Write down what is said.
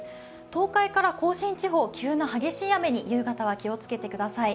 東海から甲信地方、急な激しい雨に夕方は気をつけてください。